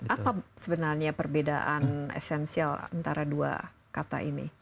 apa sebenarnya perbedaan esensial antara dua kata ini